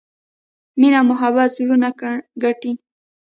مینه او محبت زړونه ګټي.